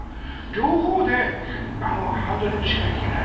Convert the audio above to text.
両方でハンドリングしないといけない。